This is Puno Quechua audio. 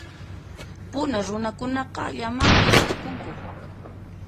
Puna runakunaqa, llamapi astakunku.